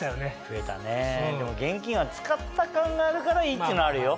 増えたねでも現金は使った感があるからいい！っていうのはあるよ。